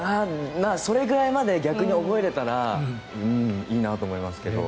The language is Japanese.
それぐらいまで逆に覚えれたらいいなと思いますけど。